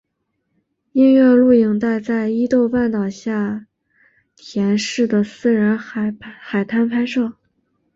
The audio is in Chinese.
音乐录影带在伊豆半岛下田市的私人海滩拍摄。